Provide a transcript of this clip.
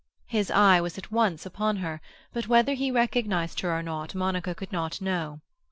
His eye was at once upon her; but whether he recognized her or not Monica could not know.